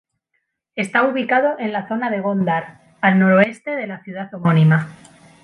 Está ubicado en la "zona de Gondar", al noreste de la ciudad homónima.